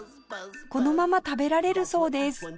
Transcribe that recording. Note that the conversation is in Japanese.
このまま食べられるそうです